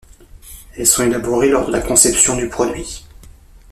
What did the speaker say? Elles sont élaborées lors de la conception du produit.